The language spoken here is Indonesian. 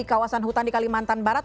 kawasan hutan di kalimantan barat